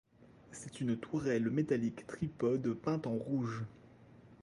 C'est une tourelle métallique tripode peinte en rouge.